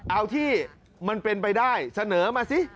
เอาที่มันเป็นไปได้เสนอมาสิ